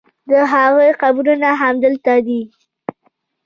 د هغوی قبرونه همدلته دي.